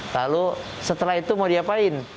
lalu setelah itu mau diapain